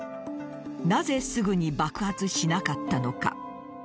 なぜ、すぐに爆発しなかったのか。